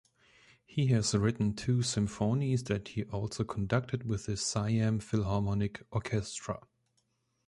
He has written two symphonies that he also conducted with the Siam Philharmonic Orchestra.